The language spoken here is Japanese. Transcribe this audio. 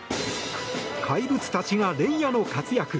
怪物たちが令和の活躍。